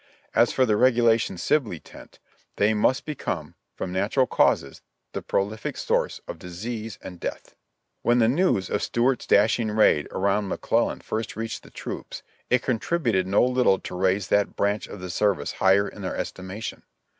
As for the regulation Sibley tent, they must become, from nat ural causes, the prolific source of disease and death. When the news of Stuart's dashing raid around McClellan first reached the troops it contributed no little to raise that branch of the service higher in their estimation.